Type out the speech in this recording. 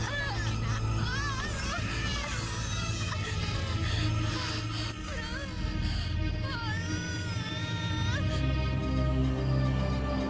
aku tidak tahu tuhan memberikan kelebihan pada bayi ini